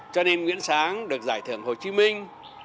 cho nên nguyễn sáng được giải thưởng hồ chí minh